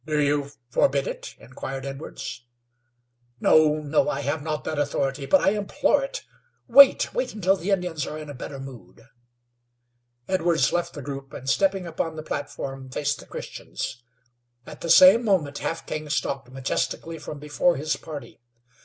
"Do you forbid it?" inquired Edwards. "No, no. I have not that authority, but I implore it. Wait, wait until the Indians are in a better mood." Edwards left the group, and, stepping upon the platform, faced the Christians. At the same moment Half King stalked majestically from before his party.